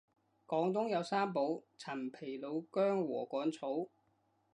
廣東有三寶陳皮老薑禾桿草